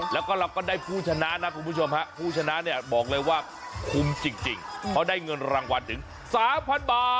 แล้วก็เราก็ได้ผู้ชนะนะคุณผู้ชมฮะผู้ชนะเนี่ยบอกเลยว่าคุ้มจริงเขาได้เงินรางวัลถึง๓๐๐บาท